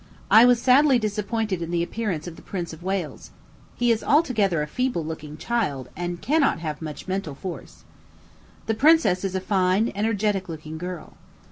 I was sadly disappointed in the appearance of the Prince of Wales. He is altogether a feeble looking child, and cannot have much mental force. The princess is a fine, energetic looking girl.